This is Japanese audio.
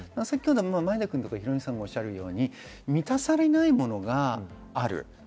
前田さん、ヒロミさんがおっしゃるように満たされないものがある。